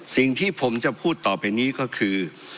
สิ่งที่ผมจะพูดต่อไปนี้ก็คือ